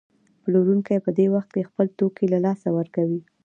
پلورونکی په دې وخت کې خپل توکي له لاسه ورکوي